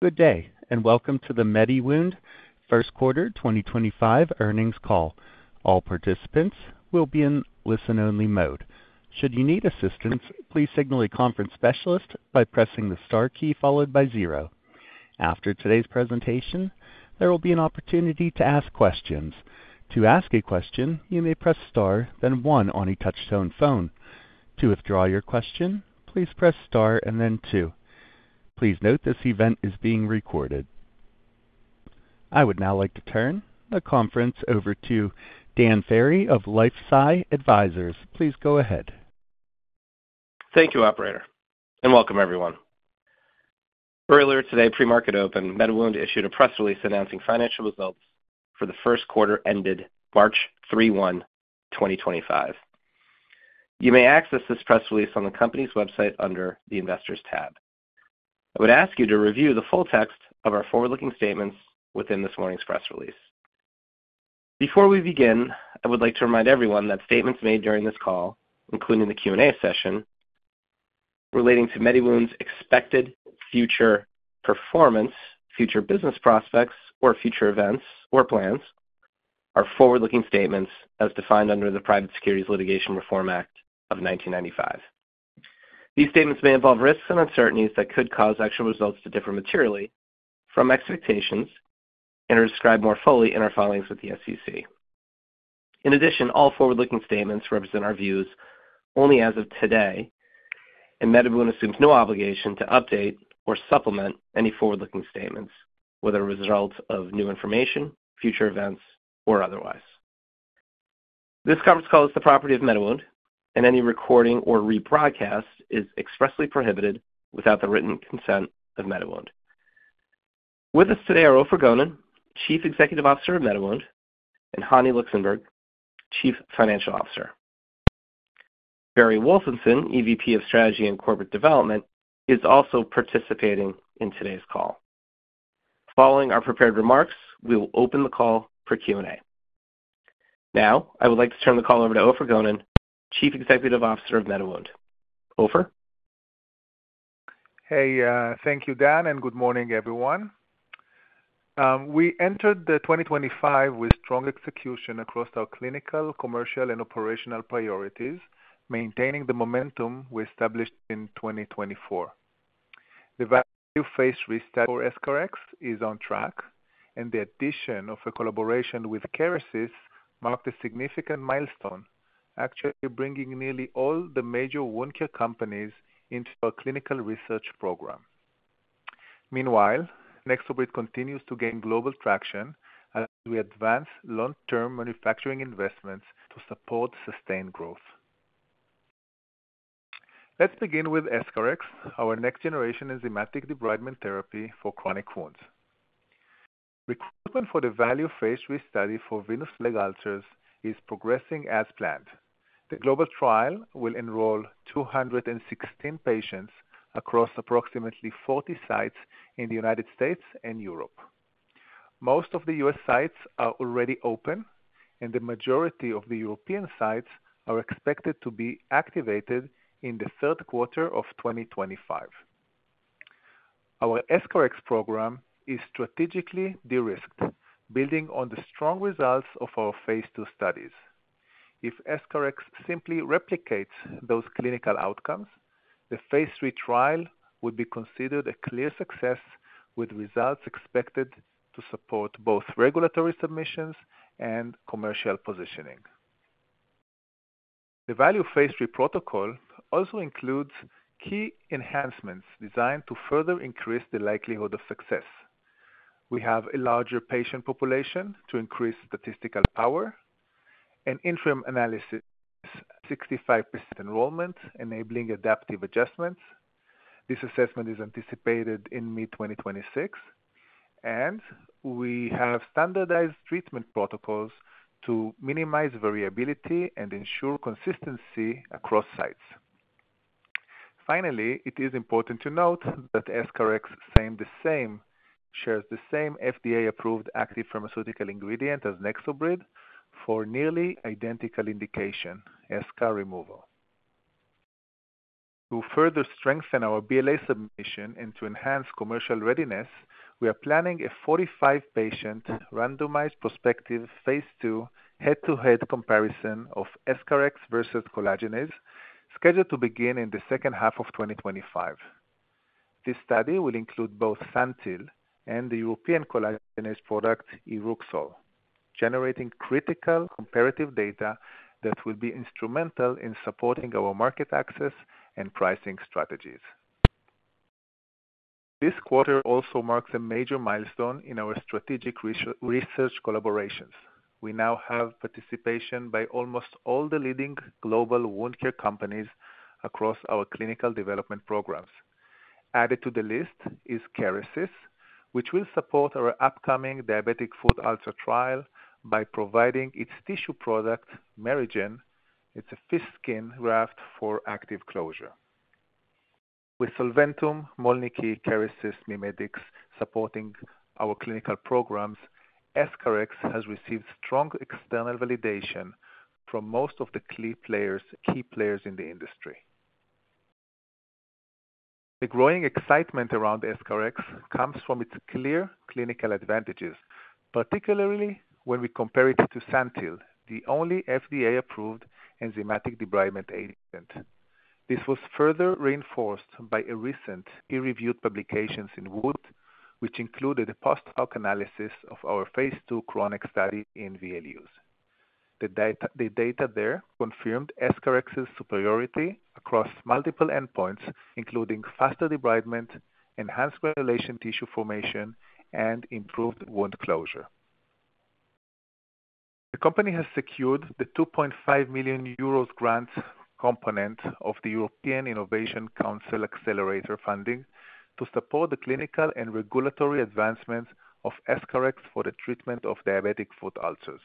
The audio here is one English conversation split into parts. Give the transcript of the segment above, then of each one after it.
Good day, and welcome to the MediWound First Quarter 2025 earnings call. All participants will be in listen-only mode. Should you need assistance, please signal a conference specialist by pressing the star key followed by zero. After today's presentation, there will be an opportunity to ask questions. To ask a question, you may press star, then one, on a touch-tone phone. To withdraw your question, please press star and then two. Please note this event is being recorded. I would now like to turn the conference over to Dan Ferry of LifeSci Advisors. Please go ahead. Thank you, Operator, and welcome everyone. Earlier today, pre-market open, MediWound issued a press release announcing financial results for the first quarter ended March 31, 2025. You may access this press release on the company's website under the Investors tab. I would ask you to review the full text of our forward-looking statements within this morning's press release. Before we begin, I would like to remind everyone that statements made during this call, including the Q&A session relating to MediWound's expected future performance, future business prospects, or future events or plans, are forward-looking statements as defined under the Private Securities Litigation Reform Act of 1995. These statements may involve risks and uncertainties that could cause actual results to differ materially from expectations and are described more fully in our filings with the SEC. In addition, all forward-looking statements represent our views only as of today, and MediWound assumes no obligation to update or supplement any forward-looking statements, whether a result of new information, future events, or otherwise. This conference call is the property of MediWound, and any recording or rebroadcast is expressly prohibited without the written consent of MediWound. With us today are Ofer Gonen, Chief Executive Officer of MediWound, and Hani Luxenberg, Chief Financial Officer. Barry Wolfenson, EVP of Strategy and Corporate Development, is also participating in today's call. Following our prepared remarks, we will open the call for Q&A. Now, I would like to turn the call over to Ofer Gonen, Chief Executive Officer of MediWound. Ofer? Hey, thank you, Dan, and good morning, everyone. We entered 2025 with strong execution across our clinical, commercial, and operational priorities, maintaining the momentum we established in 2024. The value-based restudy or SCRX is on track, and the addition of a collaboration with Kerecis marked a significant milestone, actually bringing nearly all the major wound care companies into our clinical research program. Meanwhile, NexoBrid continues to gain global traction as we advance long-term manufacturing investments to support sustained growth. Let's begin with SCRX, our next-generation enzymatic debridement therapy for chronic wounds. Recruitment for the value-based restudy for venous leg ulcers is progressing as planned. The global trial will enroll 216 patients across approximately 40 sites in the United States and Europe. Most of the U.S. sites are already open, and the majority of the European sites are expected to be activated in the third quarter of 2025. Our SCRX program is strategically de-risked, building on the strong results of our phase ll studies. If SCRX simply replicates those clinical outcomes, the phase lll trial would be considered a clear success, with results expected to support both regulatory submissions and commercial positioning. The value-based protocol also includes key enhancements designed to further increase the likelihood of success. We have a larger patient population to increase statistical power. An interim analysis assesses 65% enrollment, enabling adaptive adjustments. This assessment is anticipated in mid-2026, and we have standardized treatment protocols to minimize variability and ensure consistency across sites. Finally, it is important to note that SCRX shares the same FDA-approved active pharmaceutical ingredient as NexoBrid for nearly identical indication, eschar removal. To further strengthen our BLA submission and to enhance commercial readiness, we are planning a 45-patient randomized prospective phase two head-to-head comparison of SCRX versus collagenase, scheduled to begin in the second half of 2025. This study will include both Santyl and the European collagenase product Iruksol, generating critical comparative data that will be instrumental in supporting our market access and pricing strategies. This quarter also marks a major milestone in our strategic research collaborations. We now have participation by almost all the leading global wound care companies across our clinical development programs. Added to the list is Kerecis, which will support our upcoming diabetic foot ulcer trial by providing its tissue product, MariGen. It is a fish skin graft for active closure. With Solventum, Molnlycke, Kerecis, MiMedx supporting our clinical programs, SCRX has received strong external validation from most of the key players in the industry. The growing excitement around EscharEx comes from its clear clinical advantages, particularly when we compare it to Santyl, the only FDA-approved enzymatic debridement agent. This was further reinforced by recent peer-reviewed publications in wounds, which included a post-hoc analysis of our phase II chronic study in VLUs. The data there confirmed EscharEx's superiority across multiple endpoints, including faster debridement, enhanced granulation tissue formation, and improved wound closure. The company has secured the 2.5 million euros grant component of the European Innovation Council Accelerator funding to support the clinical and regulatory advancements of EscharEx for the treatment of diabetic foot ulcers.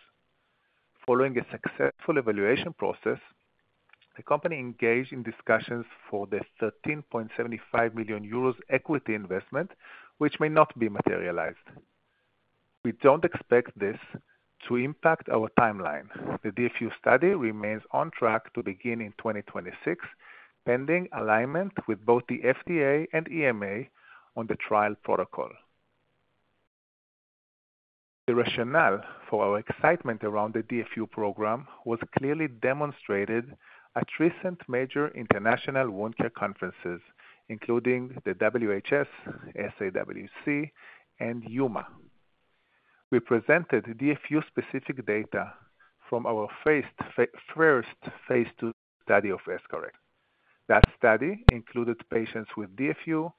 Following a successful evaluation process, the company engaged in discussions for the 13.75 million euros equity investment, which may not be materialized. We don't expect this to impact our timeline. The DFU study remains on track to begin in 2026, pending alignment with both the FDA and EMA on the trial protocol. The rationale for our excitement around the DFU program was clearly demonstrated at recent major international wound care conferences, including the WHS, SAWC, and Yuma. We presented DFU-specific data from our first phase II study of SCRX. That study included patients with DFU,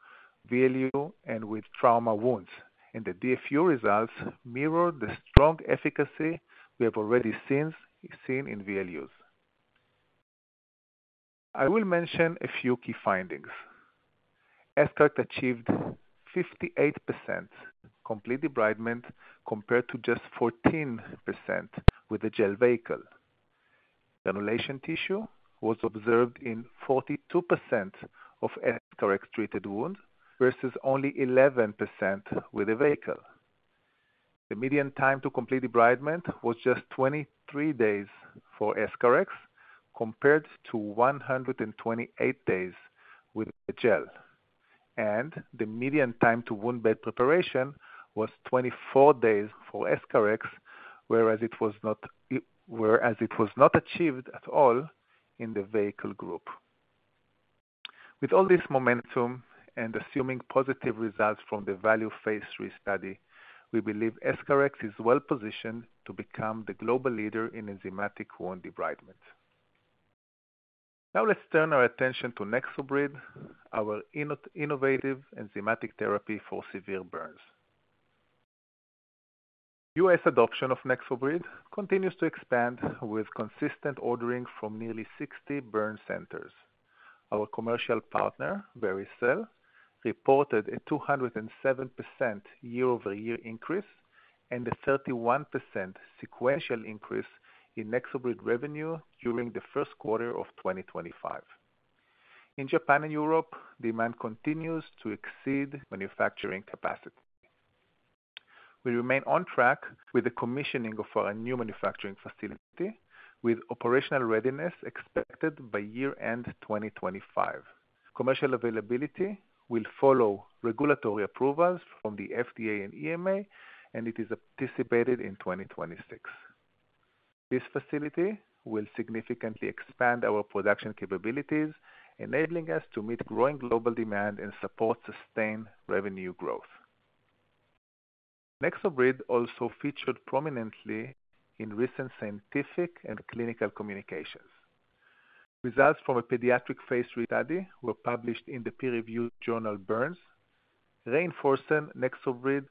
VLU, and with trauma wounds, and the DFU results mirrored the strong efficacy we have already seen in VLUs. I will mention a few key findings. SCRX achieved 58% complete debridement compared to just 14% with a gel vehicle. Granulation tissue was observed in 42% of SCRX-treated wounds versus only 11% with a vehicle. The median time to complete debridement was just 23 days for SCRX compared to 128 days with a gel, and the median time to wound bed preparation was 24 days for SCRX, whereas it was not achieved at all in the vehicle group. With all this momentum and assuming positive results from the value-based restudy, we believe SCRX is well-positioned to become the global leader in enzymatic wound debridement. Now, let's turn our attention to NexoBrid, our innovative enzymatic therapy for severe burns. U.S. adoption of NexoBrid continues to expand with consistent ordering from nearly 60 burn centers. Our commercial partner, Vericel, reported a 207% year-over-year increase and a 31% sequential increase in NexoBrid revenue during the first quarter of 2025. In Japan and Europe, demand continues to exceed manufacturing capacity. We remain on track with the commissioning of our new manufacturing facility, with operational readiness expected by year-end 2025. Commercial availability will follow regulatory approvals from the FDA and EMA, and it is anticipated in 2026. This facility will significantly expand our production capabilities, enabling us to meet growing global demand and support sustained revenue growth. NexoBrid also featured prominently in recent scientific and clinical communications. Results from a pediatric phase III study were published in the peer-reviewed journal Burns, reinforcing NexoBrid's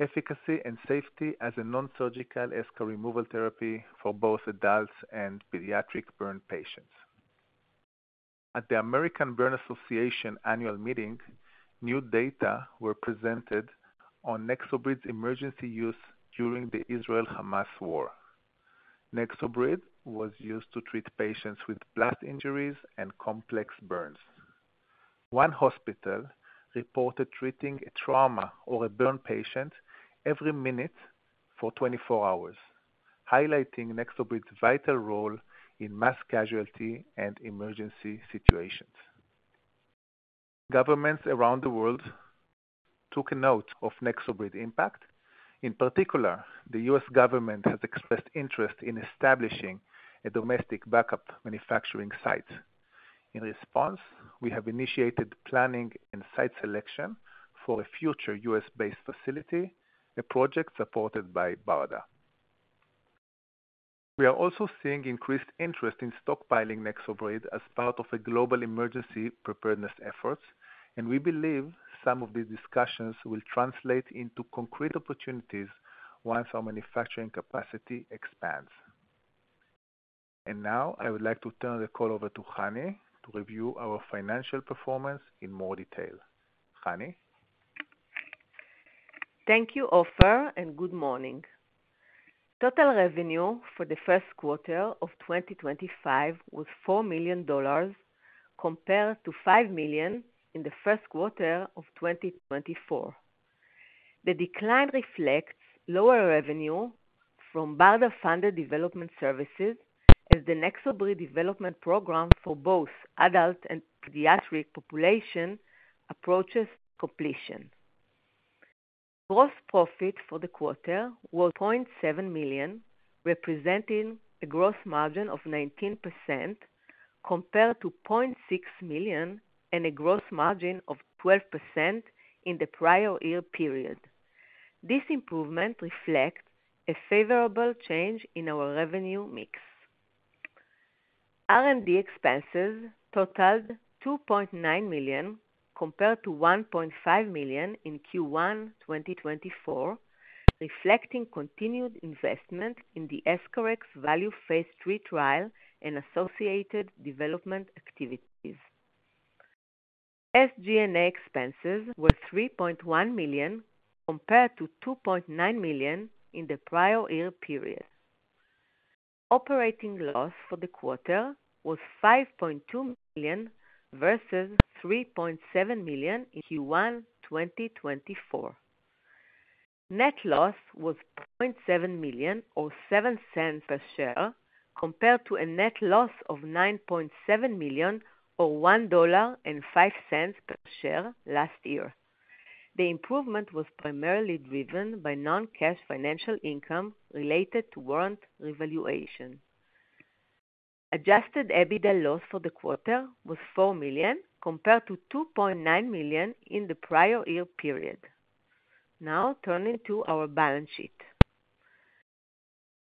efficacy and safety as a non-surgical eschar removal therapy for both adults and pediatric burn patients. At the American Burn Association annual meeting, new data were presented on NexoBrid's emergency use during the Israel-Hamas war. NexoBrid was used to treat patients with blast injuries and complex burns. One hospital reported treating a trauma or a burn patient every minute for 24 hours, highlighting NexoBrid's vital role in mass casualty and emergency situations. Governments around the world took note of NexoBrid's impact. In particular, the U.S. government has expressed interest in establishing a domestic backup manufacturing site. In response, we have initiated planning and site selection for a future U.S.-based facility, a project supported by BARDA. We are also seeing increased interest in stockpiling NexoBrid as part of global emergency preparedness efforts, and we believe some of these discussions will translate into concrete opportunities once our manufacturing capacity expands. I would like to turn the call over to Hani to review our financial performance in more detail. Hani? Thank you, Ofer, and good morning. Total revenue for the first quarter of 2025 was $4 million compared to $5 million in the first quarter of 2024. The decline reflects lower revenue from BARDA-funded development services as the NexoBrid development program for both adult and pediatric population approaches completion. Gross profit for the quarter was $0.7 million, representing a gross margin of 19% compared to $0.6 million and a gross margin of 12% in the prior year period. This improvement reflects a favorable change in our revenue mix. R&D expenses totaled $2.9 million compared to $1.5 million in Q1 2024, reflecting continued investment in the SCRX value-based trial and associated development activities. SG&A expenses were $3.1 million compared to $2.9 million in the prior year period. Operating loss for the quarter was $5.2 million versus $3.7 million in Q1 2024. Net loss was $0.7 million or $0.07 per share compared to a net loss of $9.7 million or $1.05 per share last year. The improvement was primarily driven by non-cash financial income related to warrant revaluation. Adjusted EBITDA loss for the quarter was $4 million compared to $2.9 million in the prior year period. Now, turning to our balance sheet.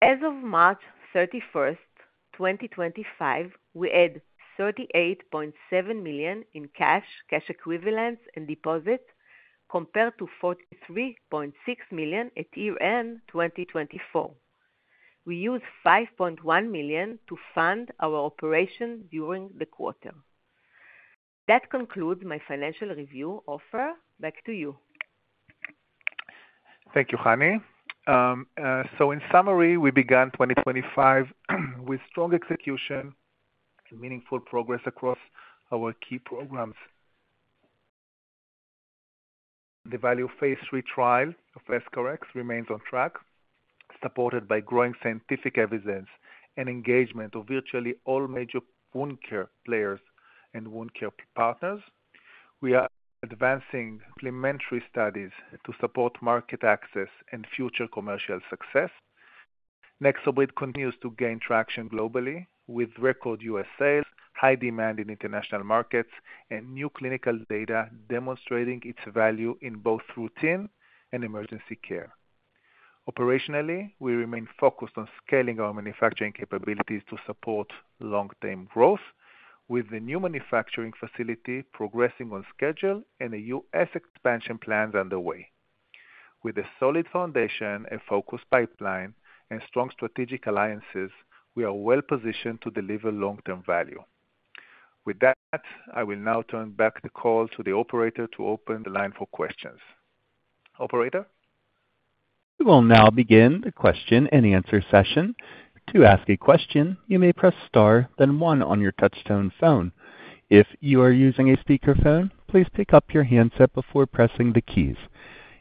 As of March 31, 2025, we had $38.7 million in cash, cash equivalents, and deposits compared to $43.6 million at year-end 2024. We used $5.1 million to fund our operations during the quarter. That concludes my financial review, Ofer. Back to you. Thank you, Hani. In summary, we began 2025 with strong execution and meaningful progress across our key programs. The value-based trial of SCRX remains on track, supported by growing scientific evidence and engagement of virtually all major wound care players and wound care partners. We are advancing complementary studies to support market access and future commercial success. NexoBrid continues to gain traction globally with record US sales, high demand in international markets, and new clinical data demonstrating its value in both routine and emergency care. Operationally, we remain focused on scaling our manufacturing capabilities to support long-term growth, with the new manufacturing facility progressing on schedule and the US expansion plans underway. With a solid foundation, a focused pipeline, and strong strategic alliances, we are well-positioned to deliver long-term value. With that, I will now turn back the call to the operator to open the line for questions. Operator? We will now begin the question-and-answer session. To ask a question, you may press Star, then 1 on your touch-tone phone. If you are using a speakerphone, please pick up your handset before pressing the keys.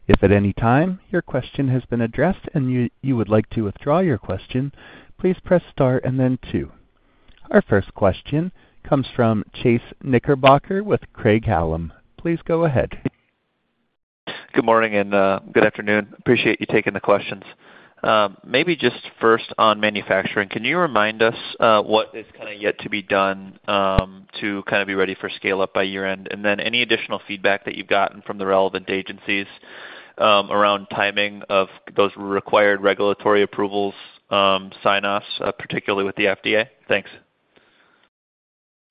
If at any time your question has been addressed and you would like to withdraw your question, please press Star and then 2. Our first question comes from Chase Knickerbocker with Craig-Hallum. Please go ahead. Good morning and good afternoon. Appreciate you taking the questions. Maybe just first on manufacturing, can you remind us what is kind of yet to be done to kind of be ready for scale-up by year-end? Any additional feedback that you've gotten from the relevant agencies around timing of those required regulatory approvals, sign-offs, particularly with the FDA? Thanks.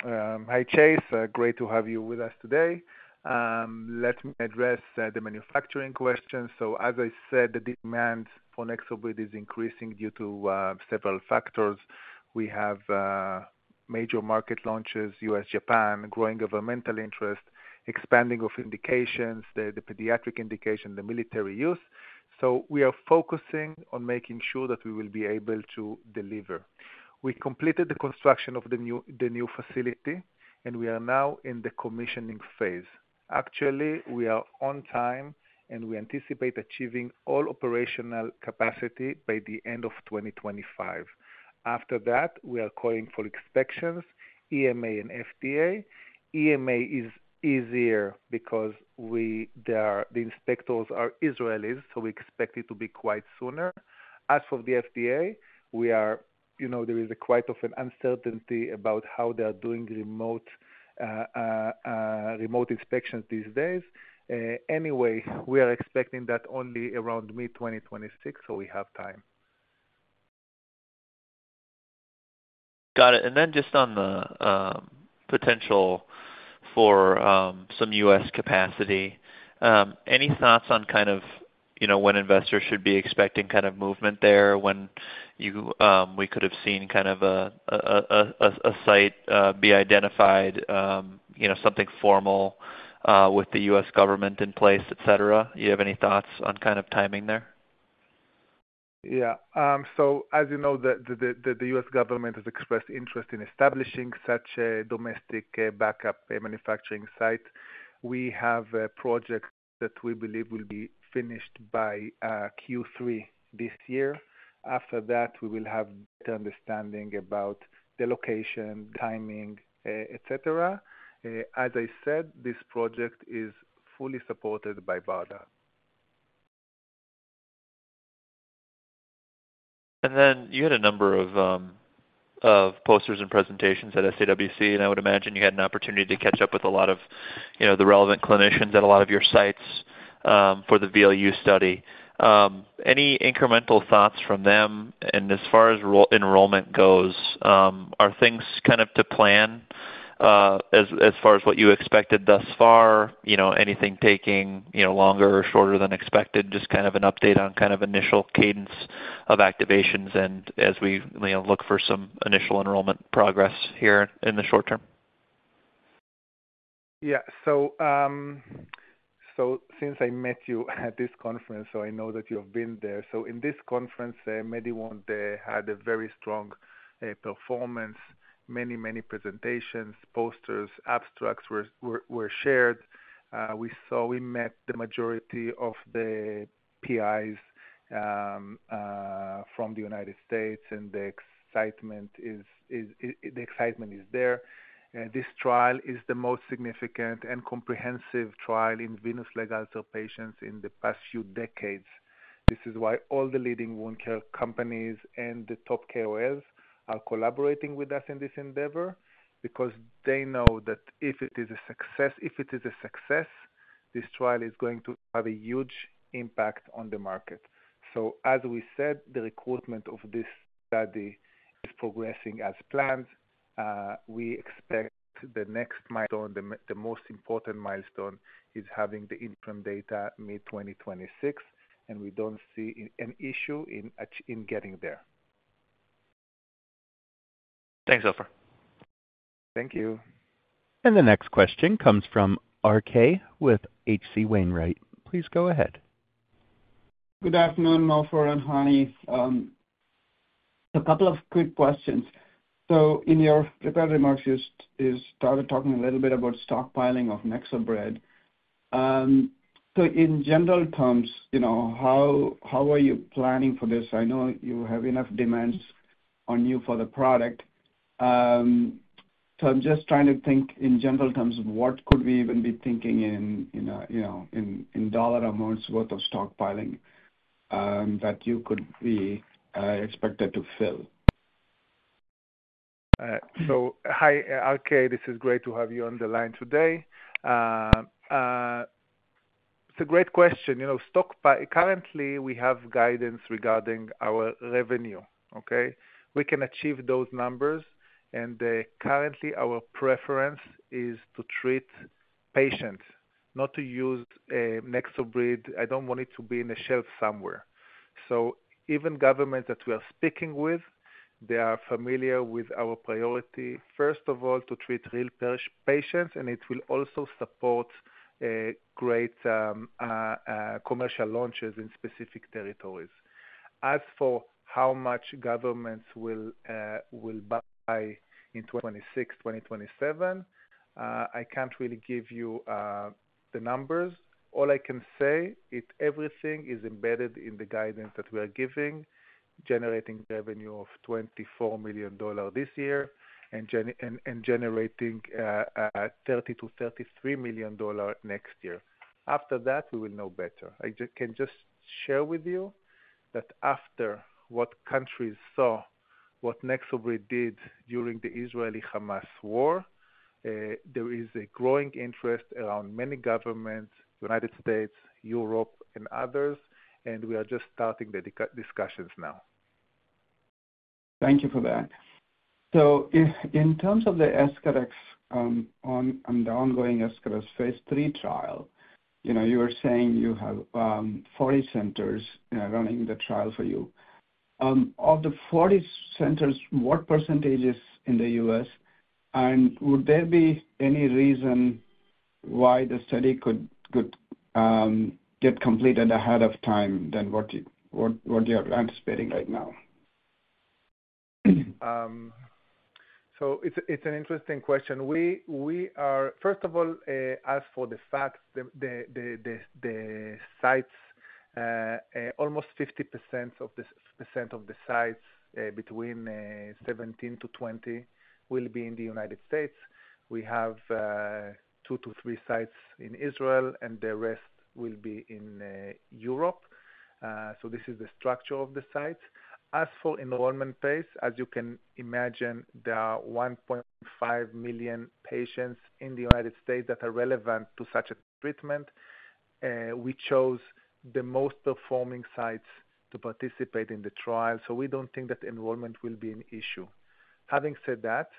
Hi, Chase. Great to have you with us today. Let me address the manufacturing question. As I said, the demand for NexoBrid is increasing due to several factors. We have major market launches, US-Japan, growing governmental interest, expanding of indications, the pediatric indication, the military use. We are focusing on making sure that we will be able to deliver. We completed the construction of the new facility, and we are now in the commissioning phase. Actually, we are on time, and we anticipate achieving all operational capacity by the end of 2025. After that, we are calling for inspections, EMA and FDA. EMA is easier because the inspectors are Israelis, so we expect it to be quite sooner. As for the FDA, there is quite often uncertainty about how they are doing remote inspections these days. Anyway, we are expecting that only around mid-2026, so we have time. Got it. And then just on the potential for some U.S. capacity, any thoughts on kind of when investors should be expecting kind of movement there, when we could have seen kind of a site be identified, something formal with the U.S. government in place, etc.? Do you have any thoughts on kind of timing there? Yeah. As you know, the U.S. government has expressed interest in establishing such a domestic backup manufacturing site. We have a project that we believe will be finished by Q3 this year. After that, we will have better understanding about the location, timing, etc. As I said, this project is fully supported by BARDA. You had a number of posters and presentations at SAWC, and I would imagine you had an opportunity to catch up with a lot of the relevant clinicians at a lot of your sites for the VLU study. Any incremental thoughts from them? As far as enrollment goes, are things kind of to plan as far as what you expected thus far? Anything taking longer or shorter than expected? Just kind of an update on kind of initial cadence of activations and as we look for some initial enrollment progress here in the short-term? Yeah. Since I met you at this conference, I know that you have been there. In this conference, MediWound had a very strong performance. Many, many presentations, posters, abstracts were shared. We met the majority of the PIs from the United States, and the excitement is there. This trial is the most significant and comprehensive trial in venous leg ulcer patients in the past few decades. This is why all the leading wound care companies and the top KOLs are collaborating with us in this endeavor because they know that if it is a success, this trial is going to have a huge impact on the market. As we said, the recruitment of this study is progressing as planned. We expect the next milestone, the most important milestone, is having the interim data mid-2026, and we do not see an issue in getting there. Thanks, Ofer. Thank you. The next question comes from RK with H.C. Wainwright. Please go ahead. Good afternoon, Ofer and Hani. A couple of quick questions. In your prepared remarks, you started talking a little bit about stockpiling of NexoBrid. In general terms, how are you planning for this? I know you have enough demands on you for the product. I am just trying to think in general terms, what could we even be thinking in dollar amounts worth of stockpiling that you could be expected to fill? Hi, RK. This is great to have you on the line today. It's a great question. Currently, we have guidance regarding our revenue. Okay? We can achieve those numbers, and currently, our preference is to treat patients, not to use NexoBrid. I don't want it to be in a shelf somewhere. Even governments that we are speaking with, they are familiar with our priority, first of all, to treat real patients, and it will also support great commercial launches in specific territories. As for how much governments will buy in 2026, 2027, I can't really give you the numbers. All I can say is everything is embedded in the guidance that we are giving, generating revenue of $24 million this year and generating $30-$33 million next year. After that, we will know better. I can just share with you that after what countries saw, what NexoBrid did during the Israeli-Hamas war, there is a growing interest around many governments, United States, Europe, and others, and we are just starting the discussions now. Thank you for that. In terms of the SCRX and the ongoing SCRX phase lll trial, you were saying you have 40 centers running the trial for you. Of the 40 centers, what % is in the U.S.? Would there be any reason why the study could get completed ahead of time than what you are anticipating right now? It's an interesting question. First of all, as for the facts, the sites, almost 50% of the sites, between 17-20, will be in the United States. We have two to three sites in Israel, and the rest will be in Europe. This is the structure of the sites. As for enrollment pace, as you can imagine, there are 1.5 million patients in the United States that are relevant to such a treatment. We chose the most performing sites to participate in the trial. We don't think that enrollment will be an issue. Having said that,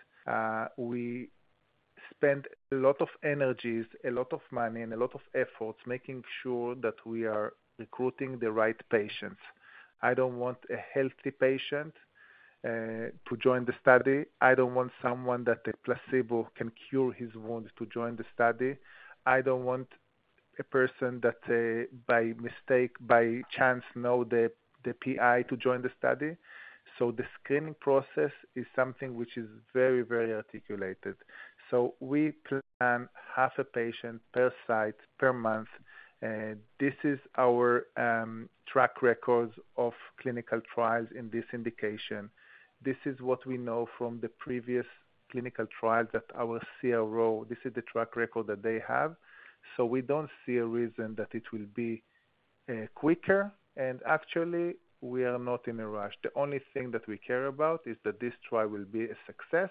we spend a lot of energies, a lot of money, and a lot of efforts making sure that we are recruiting the right patients. I don't want a healthy patient to join the study. I don't want someone that a placebo can cure his wound to join the study. I don't want a person that by mistake, by chance, know the PI to join the study. The screening process is something which is very, very articulated. We plan half a patient per site per month. This is our track record of clinical trials in this indication. This is what we know from the previous clinical trials that our CRO, this is the track record that they have. We don't see a reason that it will be quicker. Actually, we are not in a rush. The only thing that we care about is that this trial will be a success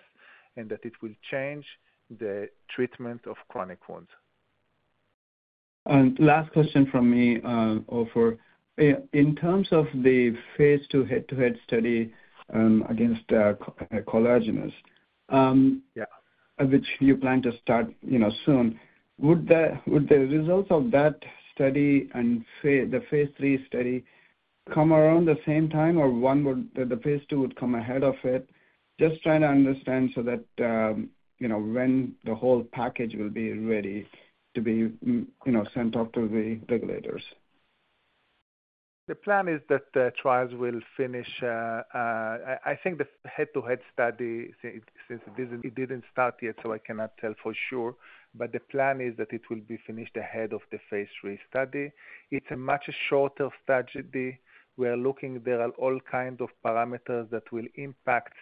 and that it will change the treatment of chronic wounds. Last question from me, Ofer. In terms of the phase 2 head-to-head study against collagenase, which you plan to start soon, would the results of that study and the phase lll study come around the same time, or the phase ll would come ahead of it? Just trying to understand so that when the whole package will be ready to be sent off to the regulators. The plan is that the trials will finish. I think the head-to-head study, since it did not start yet, so I cannot tell for sure, but the plan is that it will be finished ahead of the phase lll study. It is a much shorter study. We are looking, there are all kinds of parameters that will impact,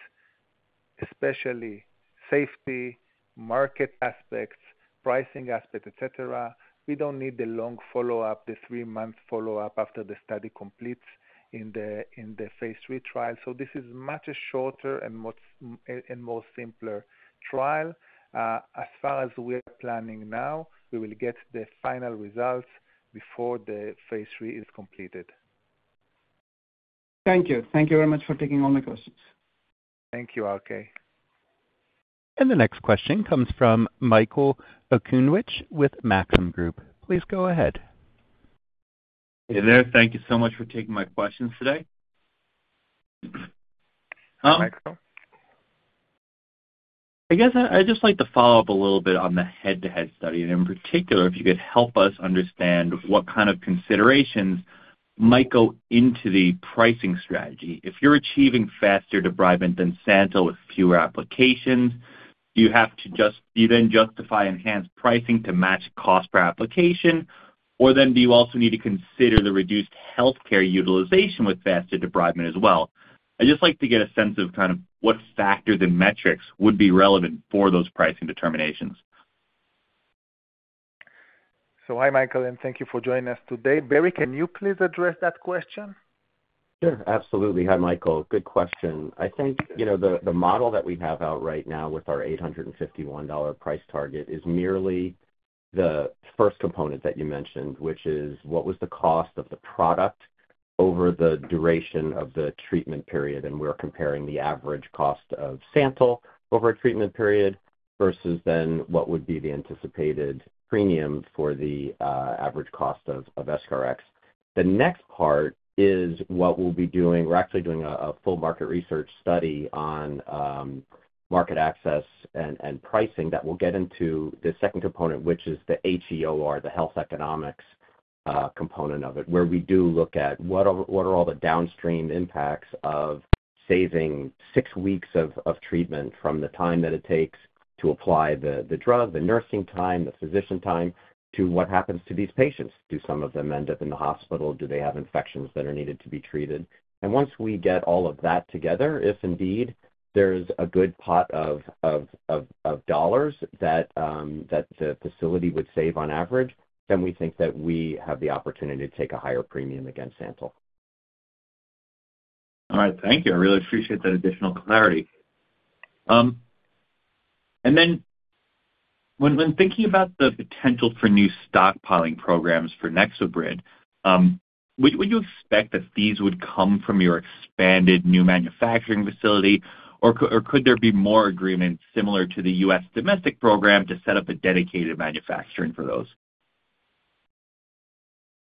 especially safety, market aspects, pricing aspects, etc. We do not need the long follow-up, the three-month follow-up after the study completes in the phase lll trial. This is much shorter and more simple trial. As far as we are planning now, we will get the final results before the phase lll is completed. Thank you. Thank you very much for taking all my questions. Thank you, RK. The next question comes from Michael Okunewitch with Maxim Group. Please go ahead. Hey there. Thank you so much for taking my questions today. Thanks, Michael. I guess I'd just like to follow up a little bit on the head-to-head study. In particular, if you could help us understand what kind of considerations might go into the pricing strategy. If you're achieving faster debridement than Santyl with fewer applications, do you then justify enhanced pricing to match cost per application? Do you also need to consider the reduced healthcare utilization with faster debridement as well? I'd just like to get a sense of what factors, the metrics, would be relevant for those pricing determinations. Hi, Michael, and thank you for joining us today. Barry, can you please address that question? Sure. Absolutely. Hi, Michael. Good question. I think the model that we have out right now with our $851 price target is merely the first component that you mentioned, which is what was the cost of the product over the duration of the treatment period. And we're comparing the average cost of Santyl over a treatment period versus then what would be the anticipated premium for the average cost of SCRX. The next part is what we'll be doing. We're actually doing a full market research study on market access and pricing that will get into the second component, which is the HEOR, the health economics component of it, where we do look at what are all the downstream impacts of saving six weeks of treatment from the time that it takes to apply the drug, the nursing time, the physician time to what happens to these patients. Do some of them end up in the hospital? Do they have infections that are needed to be treated? Once we get all of that together, if indeed there is a good pot of dollars that the facility would save on average, we think that we have the opportunity to take a higher premium against Santyl. All right. Thank you. I really appreciate that additional clarity. When thinking about the potential for new stockpiling programs for NexoBrid, would you expect that these would come from your expanded new manufacturing facility, or could there be more agreements similar to the US domestic program to set up a dedicated manufacturing for those?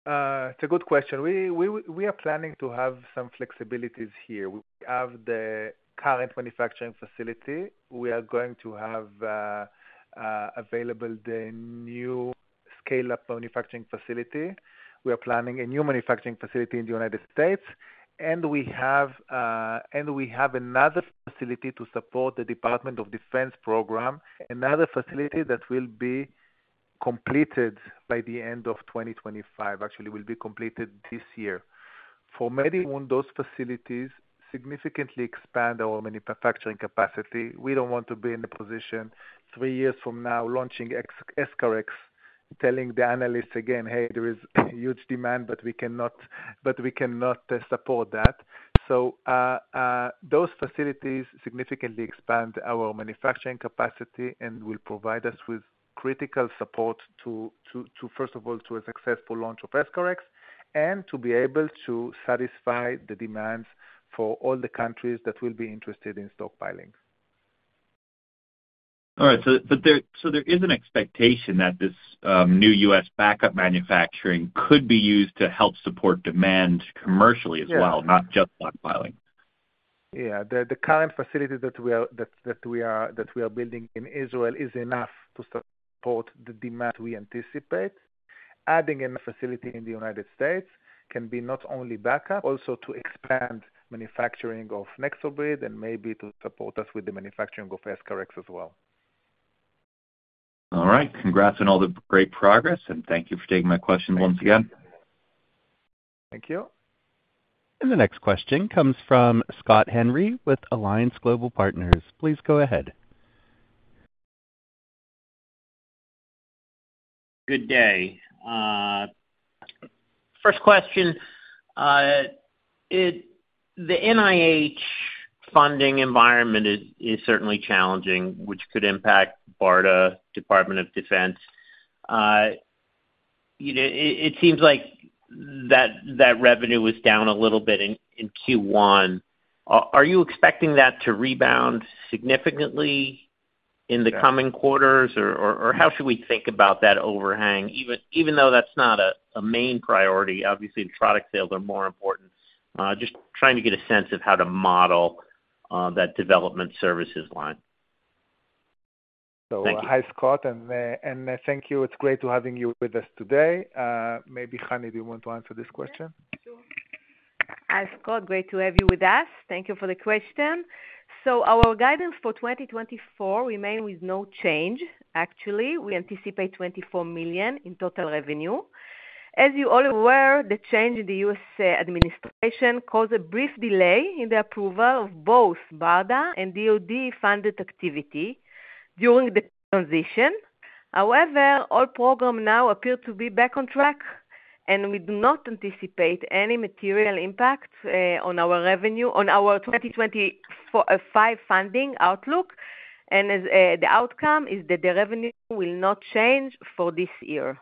It's a good question. We are planning to have some flexibilities here. We have the current manufacturing facility. We are going to have available the new scale-up manufacturing facility. We are planning a new manufacturing facility in the United States. We have another facility to support the Department of Defense program, another facility that will be completed by the end of 2025. Actually, it will be completed this year. For MediWound, those facilities significantly expand our manufacturing capacity. We do not want to be in the position three years from now launching SCRX, telling the analysts again, "Hey, there is huge demand, but we cannot support that." Those facilities significantly expand our manufacturing capacity and will provide us with critical support, first of all, to a successful launch of SCRX and to be able to satisfy the demands for all the countries that will be interested in stockpiling. All right. There is an expectation that this new U.S. backup manufacturing could be used to help support demand commercially as well, not just stockpiling. Yeah. The current facility that we are building in Israel is enough to support the demand we anticipate. Adding a facility in the United States can be not only backup, but also to expand manufacturing of NexoBrid and maybe to support us with the manufacturing of EscharEx as well. All right. Congrats on all the great progress, and thank you for taking my questions once again. Thank you. The next question comes from Scott Henry with Alliance Global Partners. Please go ahead. Good day. First question. The NIH funding environment is certainly challenging, which could impact BARDA, Department of Defense. It seems like that revenue was down a little bit in Q1. Are you expecting that to rebound significantly in the coming quarters, or how should we think about that overhang, even though that's not a main priority? Obviously, product sales are more important. Just trying to get a sense of how to model that development services line. Hi, Scott, and thank you. It's great to have you with us today. Maybe Hani, do you want to answer this question? Hi, Scott. Great to have you with us. Thank you for the question. Our guidance for 2024 remains with no change. Actually, we anticipate $24 million in total revenue. As you all are aware, the change in the U.S. administration caused a brief delay in the approval of both BARDA and DoD-funded activity during the transition. However, all programs now appear to be back on track, and we do not anticipate any material impact on our revenue, on our 2025 funding outlook. The outcome is that the revenue will not change for this year.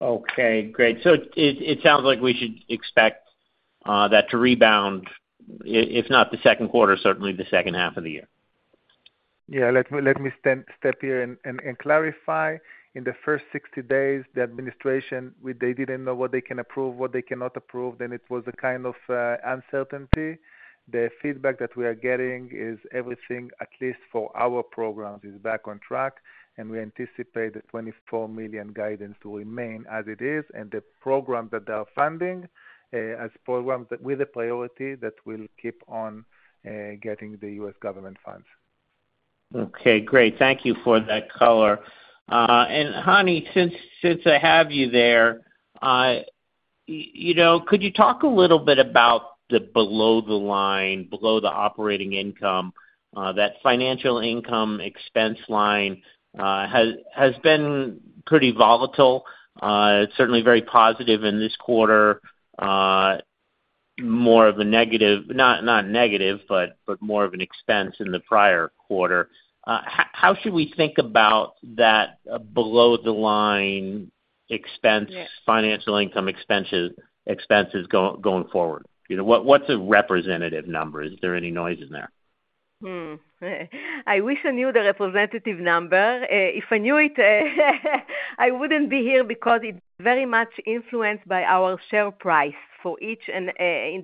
Okay. Great. So, it sounds like we should expect that to rebound, if not the second quarter, certainly the second half of the year. Yeah. Let me step here and clarify. In the first 60 days, the administration, they did not know what they can approve, what they cannot approve. Then it was a kind of uncertainty. The feedback that we are getting is everything, at least for our programs, is back on track, and we anticipate the $24 million guidance to remain as it is and the programs that they are funding as programs with a priority that will keep on getting the U.S. government funds. Okay. Great. Thank you for that color. Hani, since I have you there, could you talk a little bit about the below-the-line, below-the-operating income, that financial income expense line has been pretty volatile, certainly very positive in this quarter, more of an expense in the prior quarter. How should we think about that below-the-line expense, financial income expenses going forward? What's a representative number? Is there any noise in there? I wish I knew the representative number. If I knew it, I would not be here because it is very much influenced by our share price in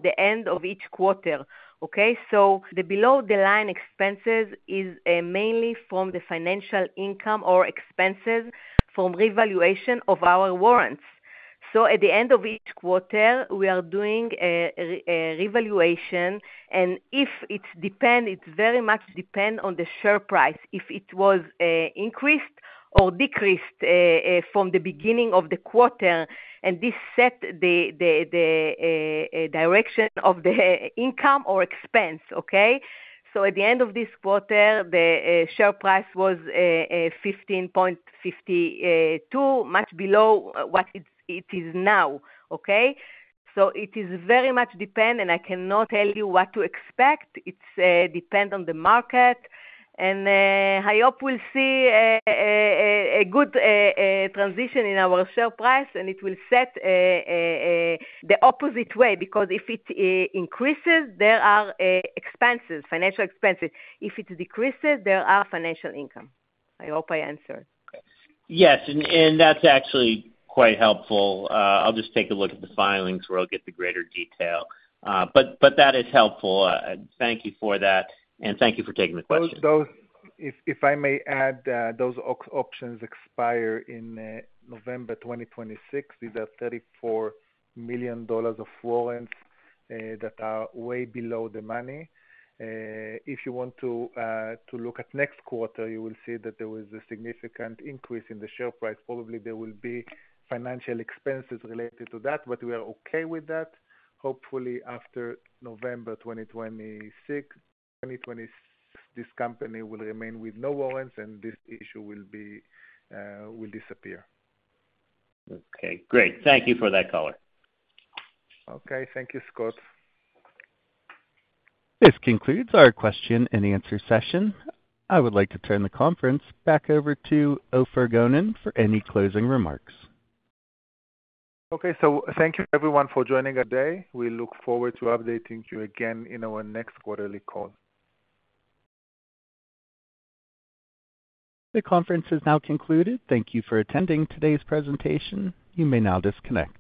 the end of each quarter. Okay? The below-the-line expenses is mainly from the financial income or expenses from revaluation of our warrants. At the end of each quarter, we are doing revaluation, and it is very much depend on the share price, if it was increased or decreased from the beginning of the quarter, and this set the direction of the income or expense. Okay? At the end of this quarter, the share price was $15.52, much below what it is now. Okay? It is very much depend, and I cannot tell you what to expect. It is depend on the market. I hope we'll see a good transition in our share price, and it will set the opposite way because if it increases, there are expenses, financial expenses. If it decreases, there are financial income. I hope I answered. Yes. That is actually quite helpful. I'll just take a look at the filings where I'll get the greater detail. That is helpful. Thank you for that, and thank you for taking the question. If I may add, those options expire in November 2026. These are $34 million of warrants that are way below the money. If you want to look at next quarter, you will see that there was a significant increase in the share price. Probably, there will be financial expenses related to that, but we are okay with that. Hopefully, after November 2026, this company will remain with no warrants, and this issue will disappear. Okay. Great. Thank you for that color. Okay. Thank you, Scott. This concludes our question-and-answer session. I would like to turn the conference back over to Ofer Gonen for any closing remarks. Okay. Thank you, everyone, for joining us today. We look forward to updating you again in our next quarterly call. The conference is now concluded. Thank you for attending today's presentation. You may now disconnect.